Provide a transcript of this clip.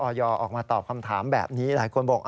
ออยอร์ออกมาตอบคำถามแบบนี้หลายมนค์บอก